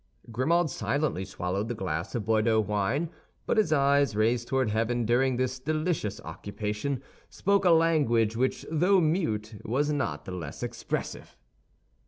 Grimaud silently swallowed the glass of Bordeaux wine; but his eyes, raised toward heaven during this delicious occupation, spoke a language which, though mute, was not the less expressive.